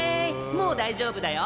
もう大丈夫だよ！